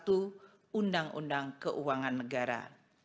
undang undang keuangan negara